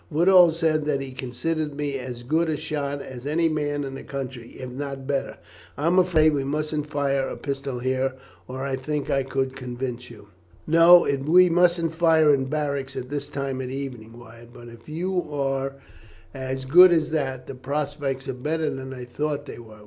Woodall said that he considered me as good a shot as any man in the country, if not better. I am afraid we mustn't fire a pistol here, or I think I could convince you." "No, we mustn't fire in barracks at this time of the evening, Wyatt. But if you are as good as that, the prospects are better than I thought they were.